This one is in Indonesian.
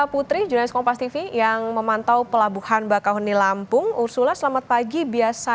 putri jurnalist kompas tv yang memantau pelabuhan bakauhoni lampung ursula selamat pagi biasanya